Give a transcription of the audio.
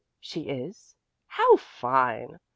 She is? How fine!